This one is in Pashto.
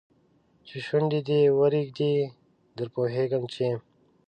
چې شونډي دې ورېږدي در پوهېږم چې